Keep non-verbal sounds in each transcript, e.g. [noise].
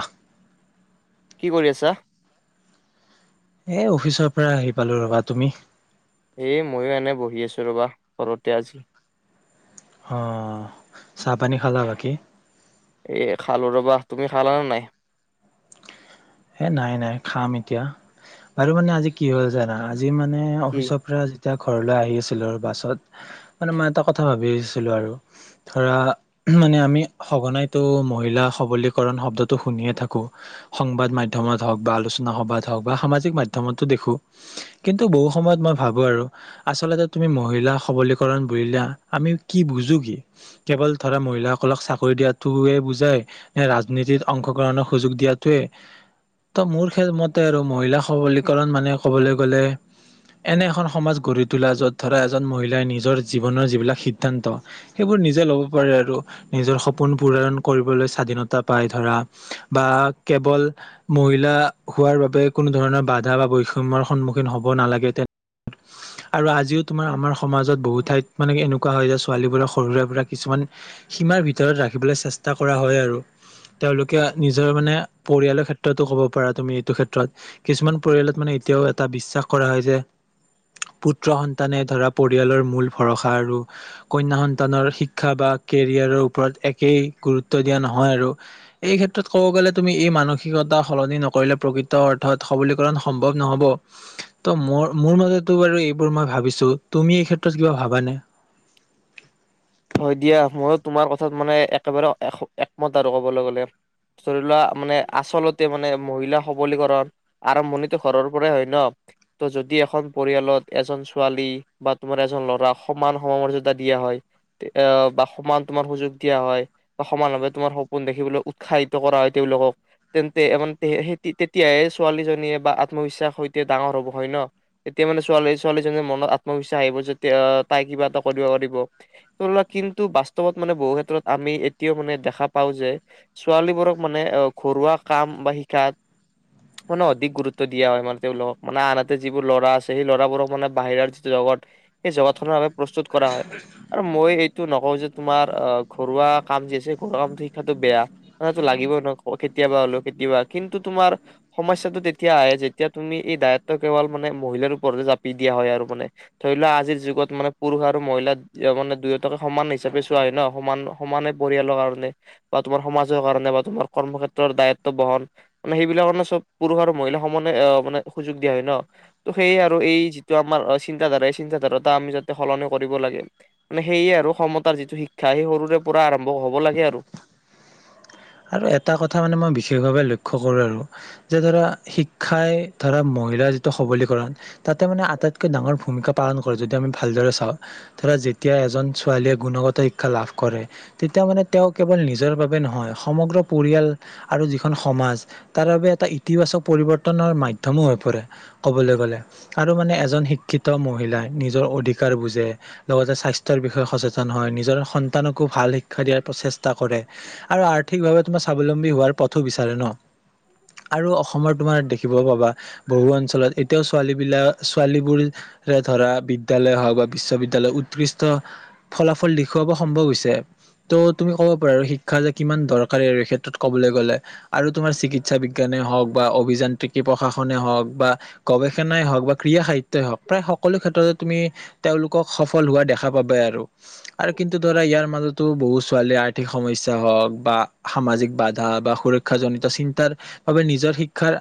আফ! [unintelligible] কি কৰি আছা? এ অফিচৰ পৰা আহি পালো ৰবা, তুমি? এ ময়ো এনে বহি আছোঁ ৰবা। ঘৰতে আজি। অঁ চাহ পানী খালা বাকি? এ খালো ৰবা, তুমি খালা নে নাই? এ নাই নাই, খাম এতিয়া, বাৰু মানে আজি কি হ'ল জানা আজি মানে কি? অফিচৰ পৰা এতিয়া ঘৰলৈ আহি আছিলোঁ আৰু বাছত। মানে মই এটা কথা ভাবিছিলো আৰু, ধৰা মানে আমি সঘনাইতো মহিলা সবলীকৰণ শব্দটো শুনিয়ে থাকো, সংবাদ মাধ্যমত হওঁক বা আলোচনা সভাত হওঁক, বা সামাজিক মাধ্যমতো দেখো। কিন্তু বহু সময়ত মই ভাবো আৰু আচলতে তুমি মহিলা সবলীকৰণ বলা আমি কি বুজো, কি? কেৱল ধৰা মহিলাসকলক চাকৰি দিয়াটোৱে বুজাই? নে ৰাজনীতিত অংশগ্ৰহণৰ সুযোগ দিয়াটোৱে ত' মোৰ ক্ষেত্ৰ, মতে আৰু মহিলা সবলীকৰণ মানে কবলৈ গ'লে এনে এখন সমাজ গঢ়ি তোলা, য'ত ধৰা এজন মহিলাই নিজৰ জীৱনৰ যিবিলাক সিদ্ধান্ত, সেইবোৰ নিজে ল'ব পাৰে আৰু নিজৰ সপোন পূৰণ কৰিবলৈ স্বাধীনতা পায় ধৰা, বা কেৱল মহিলা হোৱাৰ বাবে কোনো ধৰণৰ বাধা বা বৈষম্যৰ সন্মুখীন হ'ব নালাগে, তে আৰু আজিও তোমাৰ আমাৰ সমাজত বহুত ঠাইত মানে এনেকুৱা হয় যে ছোৱালীবোৰ সৰু সুৰা পৰা কিছুমান সীমাৰ ভিতৰত ৰাখিবলৈ চেষ্টা কৰা হয় আৰু তেওঁলোকে নিজৰ মানে পৰিয়ালৰ ক্ষেত্ৰতো ক'ব পাৰা তুমি এইটো ক্ষেত্ৰত, কিছুমান পৰিয়ালত মানে এতিয়াও এটা বিশ্বাস কৰা হয় যে পুত্ৰ সন্তানে ধৰা পৰিয়ালৰ মূল ভৰসা আৰু কন্যা সন্তানৰ শিক্ষা বা কেৰিয়াৰৰ ওপৰত একেই গুৰুত্ব দিয়া নহয় আৰু এই ক্ষেত্ৰত ক'ব গ'লে তুমি এই মানসিকতা সলনি নকৰিলে প্ৰকৃত অৰ্থত সবলীকৰণ সম্ভৱ নহ'ব, ত ম মোৰ মতেতো বাৰু এইবোৰ মই ভাবিছো, তুমি এই ক্ষেত্ৰত কিবা ভাবানে? হয় দিয়া, ময়ো তোমাৰ কথাত মানে একেবাৰে একমত আৰু কবলৈ গ'লে ধৰি লোৱা, মানে আচলতে মানে মহিলা সবলীকৰণ আৰম্ভণিতো ঘৰৰ পৰাই হয় ন, ত যদি এখন পৰিয়ালত এজন ছোৱালী বা তোমাৰ এজন ল'ৰাক সমান সমমৰ্যদা দিয়া হয় বা সমান তোমাৰ সুযোগ দিয়া হয়, বা সমান ভাৱে তোমাৰ সপোন দেখিবলৈ উৎসাহিত কৰা হয় তেওঁওলোকক, তেন্তে তেতিয়াহে ছোৱালীজনীয়ে বা আত্মবিশ্বাস সৈতে ডাঙৰ হব হয় ন, তেতিয়া মানে ছোৱালী ছোৱালীজনীৰ মনত আত্মবিশ্বাস আহিব যে, তাই কিবা এটা কৰিব পাৰিব সেইবিলাক কিন্তু বাস্তৱত মানে বহু ক্ষেত্ৰত আমি এতিয়াও মানে দেখা পাওঁ যে, ছোৱালীবোৰক মানে ঘৰুৱা কাম বা শিকাত মানে অধিক গুৰুত্ব দিয়া হয়, মানে তেওঁলোকক মানে, আনহাতে যিবোৰ ল'ৰা আছে সেই ল'ৰাবোৰক মানে বাহিৰৰ যিটো জগত সেই জগতখনৰ বাবে প্ৰস্তুত কৰা হয়। মই এইটো নকওঁ যে, তোমাৰ আহ ঘৰুৱা কাম যি আছে ঘৰুৱা কাম শিক্ষাটো বেয়া মানে সেইটো লাগিবই নহ, কেতিয়াবা হলো কেতিয়াবা, কিন্তু তোমাৰ সমস্যাটো তেতিয়া আহে যেতিয়া তুমি এই দায়িত্ব কেৱল মানে মহিলাৰ ওপৰতে জাপি দিয়া হয় আৰু মানে ধৰি লোৱা আজিৰ যুগত মানে পুৰুষ আৰু মহিলা মানে দুয়োটাকে সমান হিচাপে চোৱা হয় ন, সমান-সমানে পৰিয়ালৰ কাৰণে বা তোমাৰ সমাজৰ কাৰণে বা তোমাৰ কৰ্মক্ষেত্ৰৰ দায়িত্ব বহন মানে সেইবিলাকাৰণে চব পুৰুষ আৰু মহিলা সমানে মানে সুযোগ দিয়া হয় ন, ত সেইয়ে আৰু এই যিটো আমাৰ চিন্তাধাৰা এই চিন্তাধাৰাটা আমি যাতে সলনি কৰিব লাগে। মানে সেয়ে আৰু সমতাৰ যিটো শিক্ষা সেই সৰুৰে পৰা আৰম্ভ হ'ব লাগে আৰু। আৰু এটা কথা মানে মই বিশেষভাৱে লক্ষ্য কৰো আৰু, যে ধৰা, শিক্ষাই ধৰা মহিলাৰ যিটো সবলীকৰণ তাতে মানে আটাইতকৈ ডাঙৰ ভূমিকা পালন কৰে, যদি আমি ভালদৰে চাওঁ ধৰা যেতিয়া এজন ছোৱালীয়ে গুণগত শিক্ষা লাভ কৰে, তেতিয়া মানে তেওঁ কেৱল নিজৰ বাবে নহয় সমগ্ৰ পৰিয়াল আৰু যিখন সমাজ তাৰ বাবে এটা ইতিবাচক পৰিৱৰ্তনৰ মাধ্যমো হৈ পৰে, ক'বলৈ গ'লে আৰু মানে এজন শিক্ষিত মহিলাই নিজৰ অধিকাৰ বুজে লগতে স্বাস্থ্যৰ বিষয়ে সচেতন হয়, নিজৰ সন্তানকো ভাল শিক্ষা দিয়াৰ প্ৰচেষ্টা কৰে আৰু- আৰু সঠিকভাৱে তোমাৰ স্বাৱলম্বী হোৱাৰ পথো বিচাৰে ন আৰু অসমত তোমাৰ দেখিব পাবা, বহু অঞ্চলত এতিয়াও ছোৱালী বিলাক, ছোৱালীবোৰৰে ধৰা বিদ্যালয় হওক বা বিশ্ববিদ্যালয় উৎকৃষ্ট ফলাফল দেখুৱাব সম্ভৱ হৈছে, ত' তুমি ক'ব পাৰা শিক্ষা যে কিমান দৰকাৰী আৰু এই ক্ষেত্ৰত ক'বলৈ গ'লে আৰু তোমাৰ চিকিৎসা বিজ্ঞানে হওক বা অভিযান্ত্ৰিকী প্ৰশাসনে হওক বা গৱেষণাই হওঁক বা ক্ৰীড়া সাহিত্যই হওঁক, প্ৰায় সকলো ক্ষেত্ৰতে তুমি তেওঁলোকক সফল হোৱা দেখা পাবাই আৰু, আৰু কিন্তু ধৰা ইয়াৰ মাজতো বহু ছোৱালীৰ আৰ্থিক সমস্যা হওক বা সামাজিক বাধা বা সুৰক্ষাজনিত চিন্তাৰ বাবে নিজৰ শিক্ষাৰ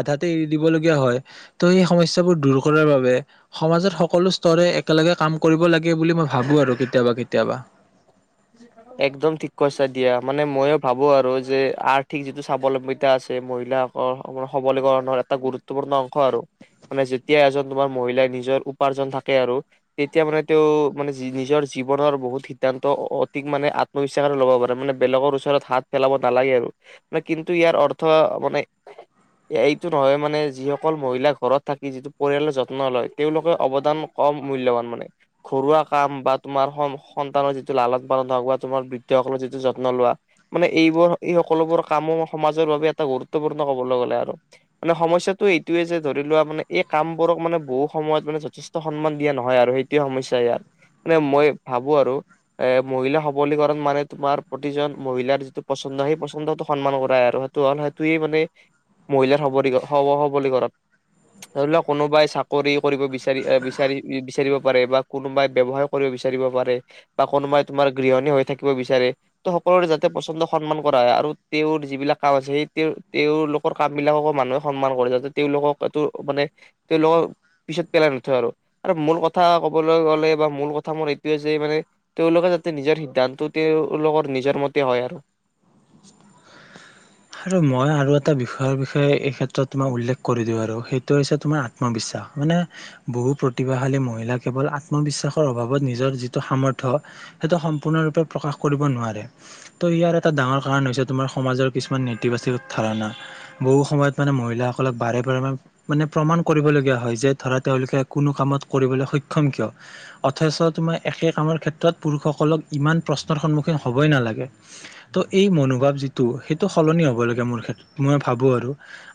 আধাত এৰি দিব লগীয়া হয়, ত' সেই সমস্যাবোৰ দূৰ কৰাৰ বাবে সমাজত সকলো স্তৰে একেলগে কাম কৰিব লাগে বুলি মই ভাবো আৰু, কেতিয়াবা-কেতিয়াবা। একদম ঠিক কৈছা দিয়া, মানে ময়ো ভাবো আৰু যে আৰ্থিক যিটো স্বাৱলম্বিতা আছে, মহিলাসকল সবলীকৰণৰ এটা গুৰুত্বপূৰ্ণ অংশ আৰু মানে যেতিয়া এজন তোমাৰ মহিলাই নিজৰ উপাৰ্জন থাকে আৰু তেতিয়া মানে তেওঁ মানে নিজৰ জীৱনৰ বহুত সিদ্ধান্ত অতিক মানে আত্মবিশ্বাসৰে ল'ব পাৰে, মানে বেলেগৰ ওচৰত হাত পেলাব নালাগে আৰু, কিন্তু ইয়াৰ অৰ্থ মানে এইটো নহয় মানে, যিসকল মহিলা ঘৰত থাকি যিটো পৰিয়ালৰ যত্ন লয় তেওঁলোকে অৱদান কম মূল্যবান মানে, ঘৰুৱা কাম বা তোমাৰ সন্তানৰ যি টো লালন-পালন হওক বা তোমাৰ বৃদ্ধসকলে যিটো যত্ন লোৱা, মানে এইবোৰ এই সকলোবোৰ কামো সমাজৰ বাবে এটা গুৰুত্বপূৰ্ণ কবলৈ গ'লে আৰু মানে সমস্যাটো এইটোয়ে যে, ধৰি লোৱা মানে এই কামবোৰক মানে বহু সময়ত মানে যথেষ্ট সন্মান দিয়া নহয় আৰু সেইটোৱে সমস্যাই ইয়াৰ, মানে মই ভাবো আৰু এ মহিলাৰ সবলীকৰণ মানে, তোমাৰ প্ৰতিজন মহিলাৰ যিটো পচন্দ সেই পচন্দটো সন্মান কৰাই আৰু সেইটো হ'ল সেইটোৱেই মানে মহিলাৰ সলী স সবলীকৰণ ধৰি লওক কোনোবাই চাকৰি কৰিব বিচাৰে বিচাৰি-বিচাৰি-বিচাৰিব পাৰে বা কোনোবাই ব্যৱহাৰ কৰি বিচাৰিব পাৰে বা কোনোবাই তোমাৰ গৃহণী হৈ থাকিব বিচাৰে, তো সকলোৰে যাতে পচন্দ সন্মান কৰা হয় আৰু তেওঁৰ যিবিলাক কাম আছে সেই তেওঁলোকৰ কাম বিলাককো মানুহে সন্মান কৰে যাতে, তেওঁলোকক এইটো মানে তেওঁলোকক পিছত পেলাই নথয় আৰু, আৰু মূল কথা ক'বলৈ গ'লে বা মূল কথা মোৰ এইটোৱে যে মানে তেওঁলোকে যাতে নিজৰ সিদ্ধান্ত তেওঁলোকৰ নিজৰ মতে হয় আৰু। আৰু মই আৰু এটা বিষয়ৰ বিষয়ে এই ক্ষেত্ৰত তোমাক উল্লেখ কৰি দিওঁ আৰু, সেইটো হৈছে তোমাৰ আত্মবিশ্বাস মানে বহু প্ৰতিভাশালী মহিলা কেৱল আত্মবিশ্বাসৰ অভাৱত নিজৰ যিটো সামৰ্থয়, সেইটো সম্পূৰ্ণৰূপে প্ৰকাশ কৰিব নোৱাৰে, ত' ইয়াৰ এটা ডাঙৰ কাৰণ হৈছে তোমাৰ সমাজৰ কিছুমান নেটবাচীক ধাৰনা বহু সময়ত, মানে মহিলাসকলক বাৰে-বাৰে মানে প্ৰমাণ কৰিবলগীয়া হয় যে, ধৰা তেওঁলোকে কোনো কামত কৰিবলৈ সক্ষম কিয়, অথচ তোমাৰ একে কামৰ ক্ষেত্ৰত পুৰুষসকলক ইমান প্ৰশ্নৰ সন্মুখীন হ'বই নালাগে, ত' এই মনোভাৱ যিটো টো সলনি হ'ব লাগে মোৰ ক্ষেত্ৰত, মই ভাবো আৰু,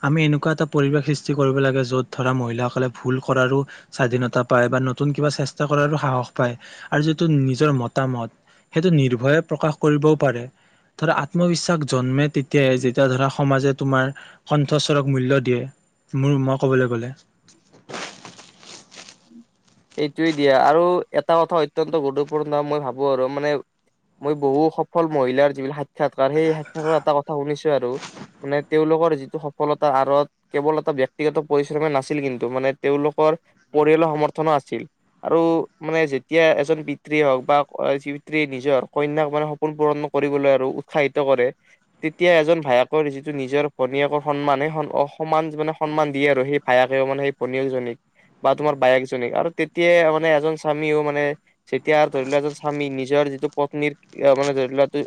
আমি এনেকুৱা এটা পৰিৱেশ সৃষ্টি কৰিব লাগে, য'ত ধৰা মহিলাসকলে ভুল কৰাৰো স্বাধীনতা পায় বা নতুন কিবা চেষ্টা কৰাৰো সাহস পায় আৰু যিটো নিজৰ মতামত সেইটো নিৰ্ভয়ে প্ৰকাশ কৰিবও পাৰে, ধৰা আত্মবিশ্বাস জন্মে তেতিয়াই, যেতিয়া ধৰা সমাজে তোমাৰ কণ্ঠস্বৰক মূল্য দিয়ে, মোৰ মই ক'বলৈ গ'লে এইটোৱেই দিয়া আৰু এটা কথা অত্যন্ত গুৰুত্বপূৰ্ণ, মই ভাবো আৰু মানে মই বহু সফল মহিলাৰ যিবিলাক সাক সাক্ষাৎকাৰ, সেই সাক্ষাৎকাৰ এটা কথা শুনিছোঁ আৰু মানে তেওঁলোকৰ যিটো সফলতা আঁৰত কেৱল এটা ব্যক্তিগত পৰিশ্ৰমে নাছিল। কিন্তু মানে তেওঁলোকৰ পৰিয়ালৰ সমৰ্থনো আছিল, আৰু মানে যেতিয়া এজন পিতৃয়ে হওক বা পিতৃয়ে নিজৰ কন্যাক মানে সপোন পূৰণ কৰিবলৈ আৰু উৎসাহিত কৰে, তেতিয়া এজন ভায়েকৰ যিটো নিজৰ ভনীয়েকৰ সন্মান সেই সমান মানে সন্মান দিয়ে আৰু সেই ভায়েকেও মানে সেই ভনীয়েকজনীক বা তোমাৰ বায়েকজনীক আৰু তেতিয়া মানে, এজন স্বামীও মানে যেতিয়া ধৰি লোৱা, এজন স্বামী নিজৰ যিটো পত্নীৰ মানে ধৰি লোৱা,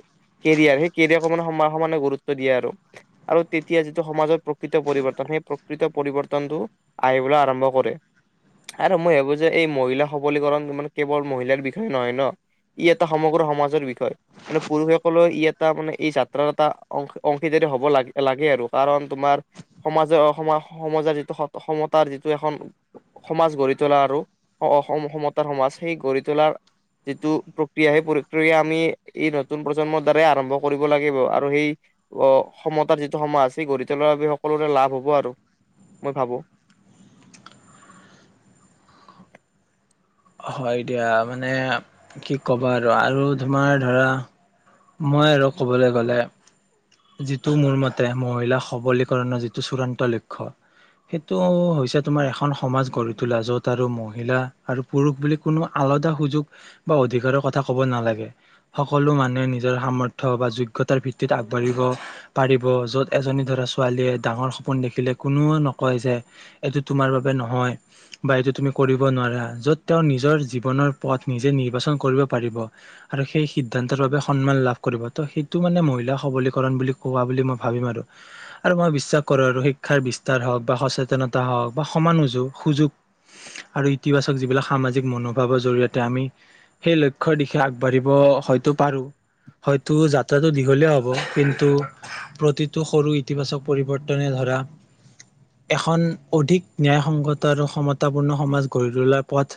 কেৰিয়াৰ সেই কেৰিয়াৰক মানে সম-সমানে গুৰুত্ব দিয়ে আৰু, আৰু তেতিয়া যিটো সমাজৰ প্ৰকৃত পৰিৱৰ্তন সেই প্ৰকৃত পৰিৱৰ্তন টো আহিবলৈ আৰম্ভ কৰে। আৰু মই ভাবো যে এই মহিলা সবলীকৰণ মানে কেৱল মহিলাৰ বিষয়ে নহয় ন, ই এটা সমগ্ৰ সমাজৰ বিষয়, মানে পুৰুষসকলেও ই এটা মানে এই যাত্ৰাৰ এটাংশ অংশীদাৰী হব লাগে-লাগে আৰু কাৰণ তোমাৰ সমাজৰ সম সমাজৰ যিটো সমতাৰ যিটো এখন সমাজ গঢ়ি তোলা আৰু সমতাৰ সমাজ, সেই গঢ়ি তোলাৰ যিটো প্ৰক্ৰিয়া সেই প্ৰক্ৰিয়া আমি এই নতুন প্ৰজন্মৰ দ্বাৰাই আৰম্ভ কৰিব লাগিব, আৰু সেই অহ সমতাৰ যিটো সমাজ সেই গঢ়ি তোলাৰ বাবে সকলোৰে লাভ হব আৰু মই ভাবো। হয় দিয়া, মানে কি ক'বা আৰু-আৰু তোমাৰ ধৰা মই আৰু কবলৈ গ'লে যিটো মোৰ মতে মহিলা সবলীকৰণৰ যিটো চূড়ান্ত লক্ষ্য সেইটো হৈছে- তোমাৰ এখন সমাজ গঢ়ি তোলা যত আৰু মহিলা আৰু পুৰুষ বুলি কোনো আলদা সুযোগ বা অধিকাৰৰ কথা ক'ব নালাগে। সকলো মানুহে যাৰ সমথ বা যোগ্যতাৰ ভিত্তিত আগবাঢ়িব পাৰিব, য'ত এজনী ধৰা ছোৱালীয়ে ডাঙৰ সপোন দেখিলে কোনোয়ে নকয় যে এইটো তোমাৰ বাবে নহয় বা এইটো তুমি কৰিব নোৱাৰা, য'ত তেওঁ নিজৰ জীৱনৰ পথ নিজে নিৰ্বাচন কৰিব পাৰিব আৰু সেই সিদ্ধান্তৰ বাবে সন্মান লাভ কৰিব, ত' সেইটো মানে মহিলাক সবলীকৰণ বুলি কোৱা বুলি মই ভাবিম আৰু, আৰু মই বিশ্বাস কৰো আৰু শিক্ষাৰ বিস্তাৰ হওঁক বা সচেতনতা হওঁক বা সমান সুযোগ আৰু ইতিবাচক যিবিলাক সামাজিক মনোভাৱৰ জৰিয়তে আমি সেই লক্ষ্যৰ দিশে আগবাঢ়িব হয়তো পাৰো। হয়তো যাত্ৰাটো দীঘলীয়া হব কিন্তু প্ৰতিটো সৰু ইতিবাচক পৰিৱৰ্তনে ধৰা এখন অধিক ন্যায়সংগত আৰু সমতাপূৰ্ণ সমাজ গঢ়ি তোলাৰ পথ,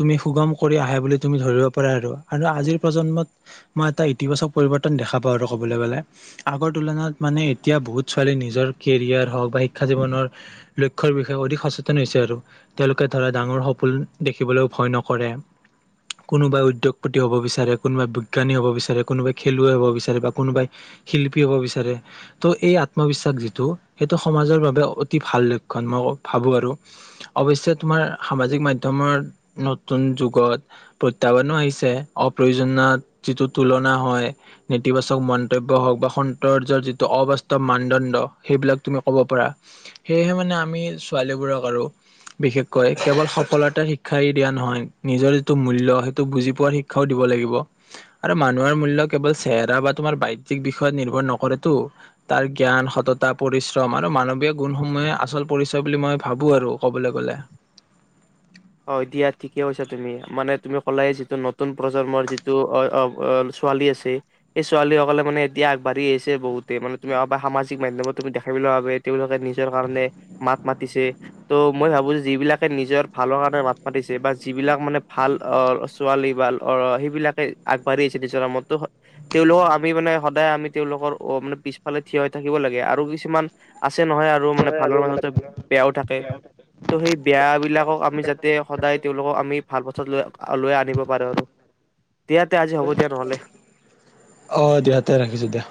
তুমি সুগম কৰি আহা বুলি তুমি ধৰিব পাৰা আৰু আৰু আজিৰ প্ৰজন্মত মই এটা ইতিবাচক পৰিৱৰ্তন দেখা পাওঁ আৰু কবলৈ গলে আগৰ তুলনাত মানে এতিয়া বহুত ছোৱালী নিজৰ কেৰিয়াৰ হওঁক বা শিক্ষা জীৱনৰ লক্ষ্যৰ বিষয়ে অধিক সচেতন হৈছে আৰু তেওঁলোকে ধৰা ডাঙৰ সপোন দেখিবলৈ ভয় নকৰে কোনোবা উদ্যোগপতি হব বিচাৰে কোনোবা বিজ্ঞানী হ'ব বিচাৰে, কোনোবাই খেলুৱৈ হ'ব বিচাৰে, বা কোনোবাই শিল্পী হ'ব বিচাৰে, ত' এই আত্মবিশ্বাস যিটো সেইটো সমাজৰ বাবে অতি ভাল লক্ষণ মই ভাবো আৰু, অৱশ্যে তোমাৰ সামাজিক মাধ্যমৰ নতুন যুগত প্ৰত্যাহ্বানো আহিছে অপ্ৰয়োজনত যিটো তুলনা হয় নেতিবাচক মন্তব্য হওঁক বা সৌন্দৰ্য্য যিটো অবাস্তৱ মানদণ্ড সেইবিলাক তুমি ক'ব পাৰা সেয়েহে মানে আমি ছোৱালীবোৰক আৰু বিশেষকৈ কেৱল সফলতাৰ শিক্ষাই দিয়া নহয় নিজৰ যিটো মূল্য সেইটো বুজি পোৱাৰ শিক্ষাও দিব লাগিব। আৰু মানুহৰ মূল্য কেৱল চেহেৰা বা তোমাৰ বাহ্যিক বিষয়ত নিৰ্ভৰ নকৰেতো, তাৰ জ্ঞান সততা পৰিশ্ৰম আৰু মানৱিয় গুণসমূহে আচল পৰিচয় বুলি মই ভাবোঁ আৰু ক'বলৈ গ'লে। অ এ দিয়া ঠিকে কৈছা তুমি মানে তুমি কলায়ে যিটো নতুন প্ৰজন্মৰ যিটো ছোৱালী আছে সেই ছোৱালী সকলে মানে এতিয়া আগবাঢ়ি আহিছে বহুতে মানে তুমিব সামাজিক মাধ্যমত তুমি দেখাবলৈ ভাবে তেওঁলোকে নিজৰ কাৰণে মাত মাতিছে ত' মই ভাবো যে য বিলাকে নিজৰ ভালৰ কাৰণে মাত মাতিছে বা যিবিলাক মানে ভাল অ ছোৱালী বা সেইবিলাকে আগবাঢ়ি আহিছে নিজৰ নামত ত তেওঁলোকক আমি মানে সদায় আমি তেওঁলোকৰ অ মানে পিছফালে থিয় হৈ থাকিব লাগে আৰু কিছুমান আছে নহয় আৰু মানে ভালৰ মাজতে বেয়াও থাকে, ত সেই বেয়া বিলাকক সদায় তেওঁলোকক আমি ভাল পথত লৈ লৈ নিব পাৰো আৰু, দিয়া তে আজি হ'ব দিয়া নহলে। অ দিয়া তে ৰাখিছো দিয়া।